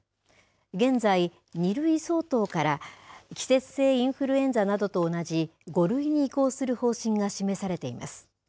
現在、２類相当から、季節性インフルエンザなどと同じ５類に移行する方針が示されています。